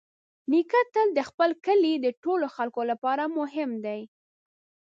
نیکه تل د خپل کلي د ټولو خلکو لپاره مهم دی.